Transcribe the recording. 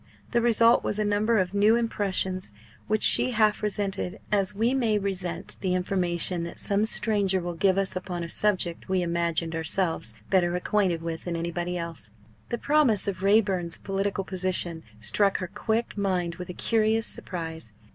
The result was a number of new impressions which she half resented, as we may resent the information that some stranger will give us upon a subject we imagined ourselves better acquainted with than anybody else. The promise of Raeburn's political position struck her quick mind with a curious surprise.